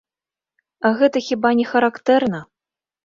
Гэта хіба не характэрна.